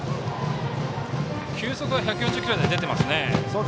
球速は１４０キロ台が出ています。